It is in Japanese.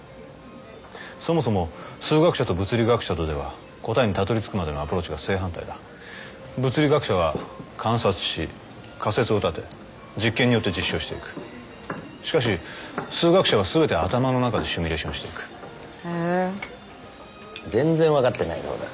そもそも数学者と物理学者とでは答えにたどり着くまでのアプローチが正反対だ物理学者は観察し仮説を立て実験によって実証していくしかし数学者はすべて頭の中でシミュレーションしていくへえ全然分かってないようだ